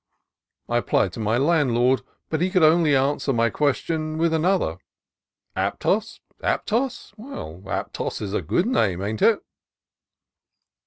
I applied to my landlord, but he could only answer my question with another, — "Aptos, Aptos ; well, Aptos is a good name, ain't it?"